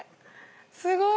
すごい。